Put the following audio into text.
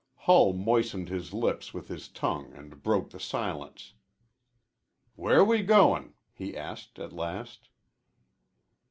Hull moistened his lips with his tongue and broke the silence. "Where we goin'?" he asked at last.